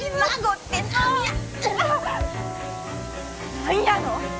何やの！？